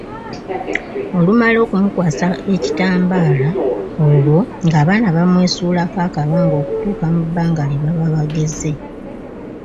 Olumala okumukwasa ekitambaala olwo ng’abaana bamwesuulako akabanga okutuuka mu bbanga lye baba bageze.